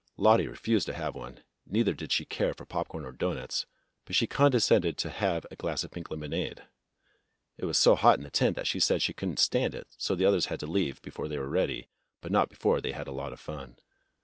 Lottie refused to have one, neither did she care for popcorn or doughnuts, but she condescended to have a glass of pink lemonade. It was so hot in the tent that she said she could n't stand it, so the others had to leave before they were ready, but not before they had had a lot of fun.